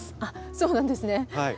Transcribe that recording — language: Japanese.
あっそうなんですね。